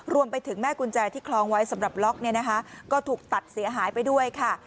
รวมไปถึงแม่กุญแจที่คลองไว้สำหรับล็อกเนี่ยนะคะก็ถูกตัดเสียหายไปด้วยค่ะ